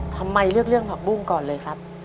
ทำไมเลือกเรื่องผักบุ้งก่อนเลยครับ